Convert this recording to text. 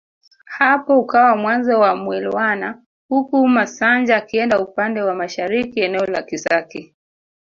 Hapo ukawa mwanzo wa Mwilwana huku Masanja akienda upande wa mashariki eneo la Kisaki